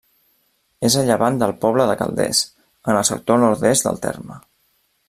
És a llevant del poble de Calders, en el sector nord-est del terme.